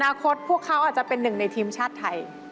คตพวกเขาอาจจะเป็นหนึ่งในทีมชาติไทย